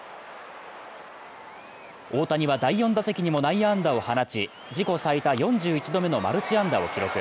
大谷は第４打席にも内野安打を放ち自己最多４１度目のマルチ安打を記録。